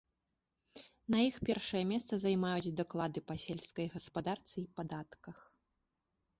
На іх першае месца займаюць даклады па сельскай гаспадарцы і падатках.